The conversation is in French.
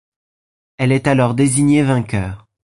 Elle est alors désignée vainqueur.